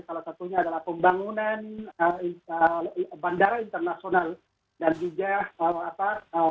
salah satunya adalah pembangunan bandara internasional dan juga apa